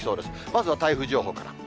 まずは台風情報から。